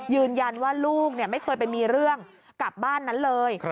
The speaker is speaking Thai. ยืนยันว่าลูกไม่เคยไปมีเรื่องกับบ้านนั้นเลย